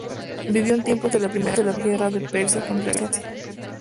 Vivió en tiempos de la primera guerra de Persia contra Grecia.